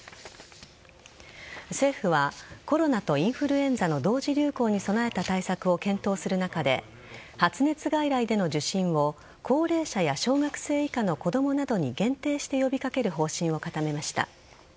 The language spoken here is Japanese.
政府はコロナとインフルエンザの同時流行に備えた対策を検討する中で発熱外来での受診を高齢者や小学生以下の子供などに限定して呼び掛ける方針を固めました。